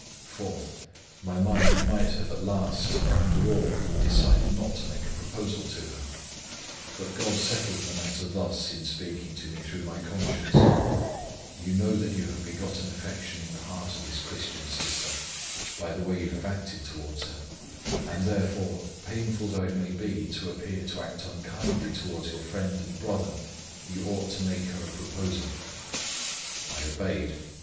4th, My mind might have at last, after all, decided, not to make a proposal to her; but God settled the matter thus in speaking to me through my conscience you know that you have begotten affection in the heart of this Christian sister, by the way you have acted towards her, and therefore, painful though it may be, to appear to act unkindly towards your friend and brother, you ought to make her a proposal. I obeyed.